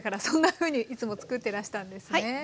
そんなふうにいつも作ってらしたんですね。